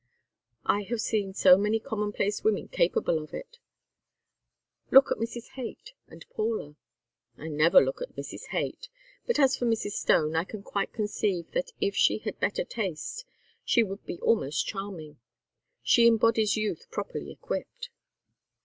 "I have seen so many commonplace women capable of it! Look at Mrs. Haight and Paula." "I never look at Mrs. Haight, but as for Mrs. Stone I can quite conceive that if she had better taste she would be almost charming. She embodies youth properly equipped."